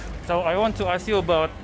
jadi saya ingin bertanya kepada anda